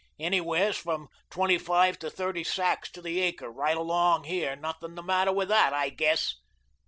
"Anywheres from twenty five to thirty sacks to the acre right along here; nothing the matter with THAT I guess."